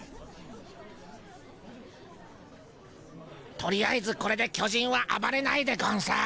とりあえずこれで巨人はあばれないでゴンス。